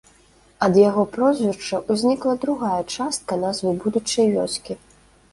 Ад яго прозвішча ўзнікла другая частка назвы будучай вёскі.